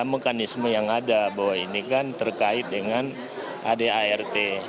mekanisme yang ada bahwa ini kan terkait dengan adart